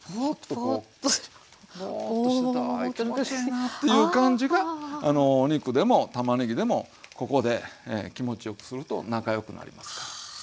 ぼっとしてたい気持ちええなっていう感じがあのお肉でもたまねぎでもここで気持ちよくすると仲良くなりますから。